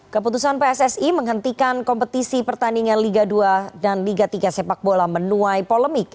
keputusan pssi menghentikan kompetisi pertandingan liga dua dan liga tiga sepak bola menuai polemik